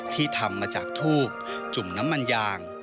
ที่ทำมาจากทูบจุ่มน้ำมันยาง